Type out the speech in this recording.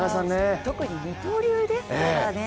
特に二刀流ですからね